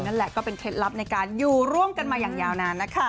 นั่นแหละก็เป็นเคล็ดลับในการอยู่ร่วมกันมาอย่างยาวนานนะคะ